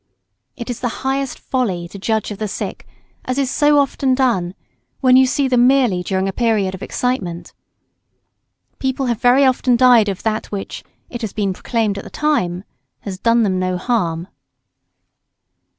It is the highest folly to judge of the sick, as is so often done, when you see them merely during a period of excitement. People have very often died of that which, it has been proclaimed at the time, has "done them no harm."